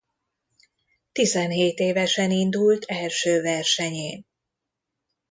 Tizenhét évesen indult első versenyén.